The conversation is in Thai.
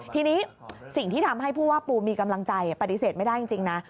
ทีนี้สิ่งที่ทำให้ผู้ว่าปูมีกำลังใจปฏิเสธไม่ได้จริงนะ